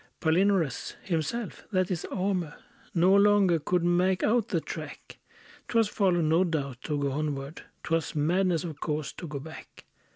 Palinurus himself that is Almer No longer could make out the track; 'Twas folly, no doubt, to go onward; 'Twas madness, of course, to go back.